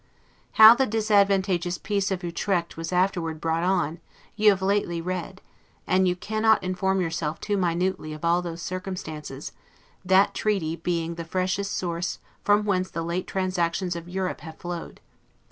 How the disadvantageous peace of Utrecht was afterward brought on, you have lately read; and you cannot inform yourself too minutely of all those circumstances, that treaty 'being the freshest source from whence the late transactions of Europe have flowed.